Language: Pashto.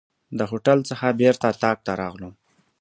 د هوټل څخه بیرته اطاق ته راغلو.